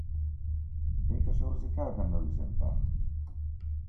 Eikö se olisi käytännöllisempää?